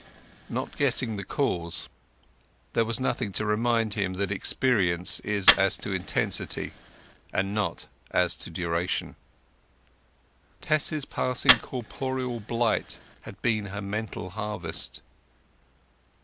Not guessing the cause, there was nothing to remind him that experience is as to intensity, and not as to duration. Tess's passing corporeal blight had been her mental harvest.